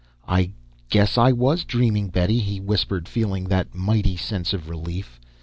"I guess I was dreaming, Betty," he whispered, feeling that mighty sense of relief.